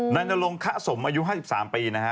นายนรงคะสมอายุ๕๓ปีนะฮะ